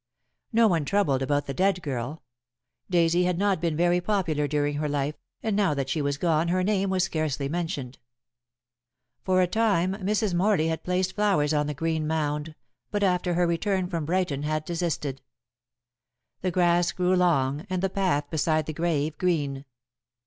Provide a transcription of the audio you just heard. No one troubled about the dead girl. Daisy had not been very popular during her life, and now that she was gone her name was scarcely mentioned. For a time Mrs. Morley had placed flowers on the green mound, but after her return from Brighton had desisted. The grass grew long, and the path beside the grave green.